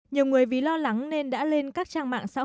nhiều người vì lo lắng nên đã lên các trang mạng